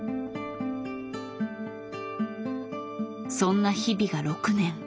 そんな日々が６年。